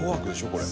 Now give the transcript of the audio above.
これ」